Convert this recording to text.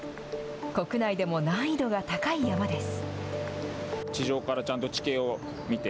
国内でも難易度が高い山です。